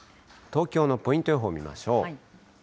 東京のポイント予報見ましょう。